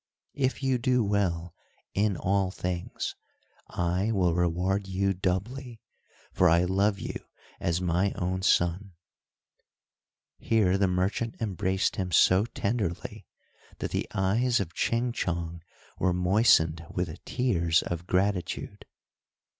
"If you do well in all things, I will reward you doubly, for I love you as my own son." Here the merchant embraced him so tenderly, that the eyes of Ching Chong were moistened with tears of gratitude.